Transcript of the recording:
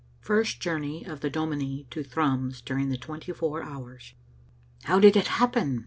RRST JOURNEY OF THE DOMINIE TO THRUMS DURING THE TWENTY FOUR HOURS. *'How did it happen?"